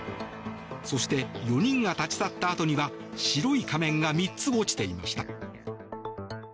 そして４人が立ち去ったあとには白い仮面が３つ落ちていました。